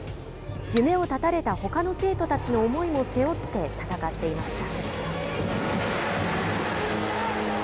夢を絶たれたほかの生徒たちの思いも背負って戦っていました。